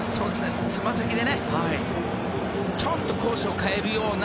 つま先でちょっとコースを変えるような。